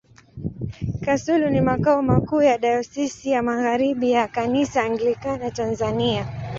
Kasulu ni makao makuu ya Dayosisi ya Magharibi ya Kanisa Anglikana Tanzania.